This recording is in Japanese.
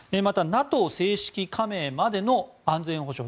また、ＮＡＴＯ正式加盟までの安全保障